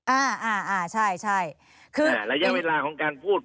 อ่าอ่าอ่าใช่ใช่คือระยะเวลาของการพูด